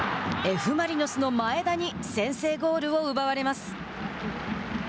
Ｆ・マリノスの前田に先制ゴールを奪われます。